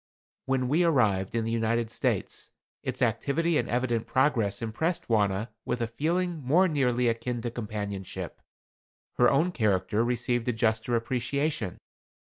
When we arrived in the United States, its activity and evident progress impressed Wauna with a feeling more nearly akin to companionship. Her own character received a juster appreciation.